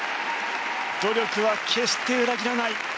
努力は決して裏切らない。